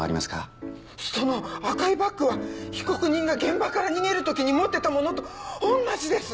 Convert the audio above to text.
その赤いバッグは被告人が現場から逃げる時に持ってたものと同じです！